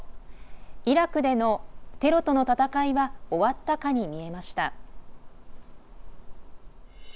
イラクでのテロとの戦いは終わったかに見えました。